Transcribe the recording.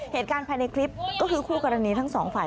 เหตุการณ์ภายในคลิปก็คือคู่กรณีทั้งสองฝ่าย